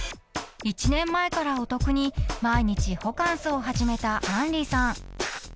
［１年前からお得に毎日ホカンスを始めた杏里さん］